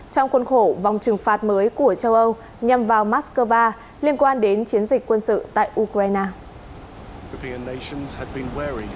trong khuôn khổ vòng trừng phạt mới của châu âu nhằm vào moscow liên quan đến chiến dịch quân sự tại ukraine